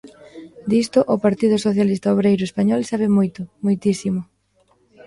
Disto o Partido Socialista Obreiro Español sabe moito, moitísimo.